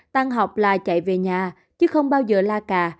tăng học là chạy về nhà chứ không bao giờ la cà